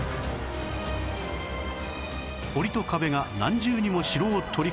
堀と壁が何重にも城を取り囲む